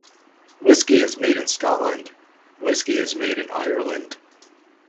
Whisky is made in Scotland; whiskey is made in Ireland.